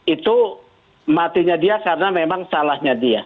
itu matinya dia karena memang salahnya dia